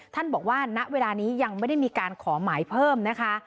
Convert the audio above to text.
ท่านบอกว่าณเวลานี้ยังไม่ได้มีการขอหมายเพิ่มนะคะ